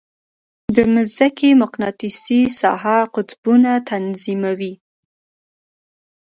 د مځکې مقناطیسي ساحه قطبونه تنظیموي.